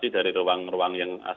dari ruang ruang yang